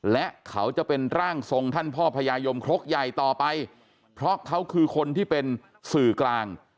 และเขาจะเป็นร่างทรงท่านพ่อพญายมครกใหญ่ต่อไปเพราะเขาคือคนที่เป็นสื่อกลาง